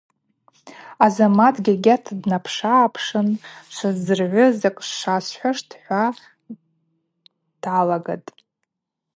Азамат гьагьата днапшыгӏапшын: – Швдзыргӏвы, закӏ швасхӏвуаштӏ, – хӏва дгӏалагатӏ.